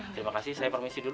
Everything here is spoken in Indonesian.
terima kasih saya permisi dulu